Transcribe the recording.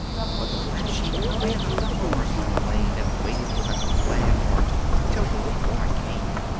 But the Black Sheep ran up to the bars by the lane and waited with a glad heart till the little boy came.